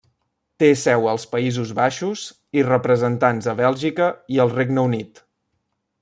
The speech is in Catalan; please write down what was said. Té seu als Països Baixos i representants a Bèlgica i el Regne Unit.